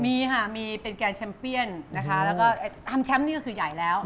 มีค่ะมีเป็นแกนแชมเปียนนะคะแล้วก็ทำแชมป์นี่ก็คือใหญ่แล้ว